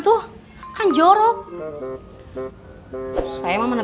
tunggu sedikit yang sedikit